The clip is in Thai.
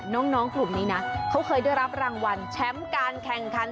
น้องในนะเค้าเคยได้รับรางวัลแชมป์การแข่งคัน